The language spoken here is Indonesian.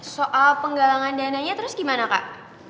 soal penggalangan dananya terus gimana kak